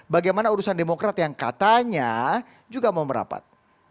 bagaimana urusan demokrat yang katanya juga mau merapat